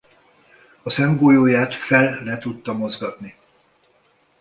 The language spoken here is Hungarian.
A szemgolyóját fel-le tudta mozgatni.